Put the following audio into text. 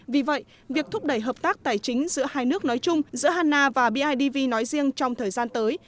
vì vậy việc thúc đẩy hợp tác tài chính giữa hai nước nói chung giữa hanna và bidv nói riêng trong thời gian tới